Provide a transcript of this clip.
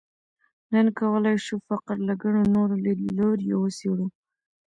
نن کولای شو فقر له ګڼو نورو لیدلوریو وڅېړو.